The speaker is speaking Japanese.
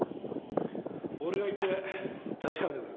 俺が行って確かめてくる。